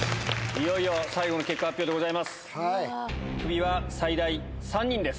いよいよ、最後の結果発表でございます。